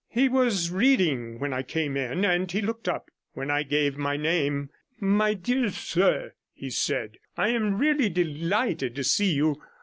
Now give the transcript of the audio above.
He was reading when I came in, and he looked up when I gave my name. 'My dear sir,' he said, 'I am really delighted to see you.